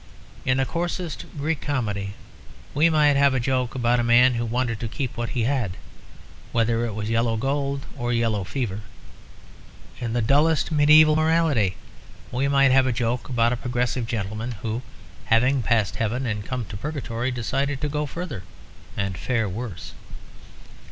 In the coarsest Greek Comedy we might have a joke about a man who wanted to keep what he had, whether it was yellow gold or yellow fever. In the dullest mediæval morality we might have a joke about a progressive gentleman who, having passed heaven and come to purgatory, decided to go further and fare worse.